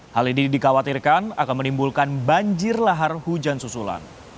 hal ini dikhawatirkan akan menimbulkan banjir lahar hujan susulan